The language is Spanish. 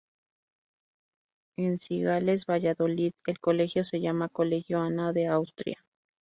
En Cigales, Valladolid, el colegio se llama Colegio Ana de Austria.